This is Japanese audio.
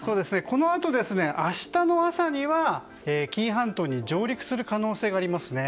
このあと、明日の朝には紀伊半島に上陸する可能性があります。